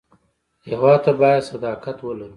هېواد ته باید صداقت ولرو